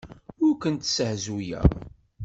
Ur kent-ssezhuyeɣ.